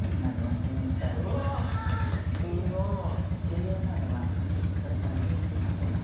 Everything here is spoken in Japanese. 重要なのはこれから人生１００年。